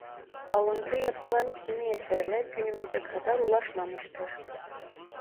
Alıntı yapılan kimi eserler günümüze kadar ulaşmamıştır.